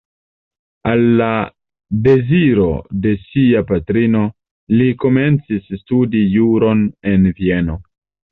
Al la deziro de sia patrino li komencis studi juron en Vieno.